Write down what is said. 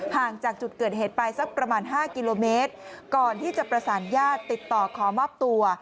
ห่างจากจุดเกิดเหตุไปสักประมาณ๕กิโลเมตรก่อนที่จะประสานญาติติดต่อขอมอบตัว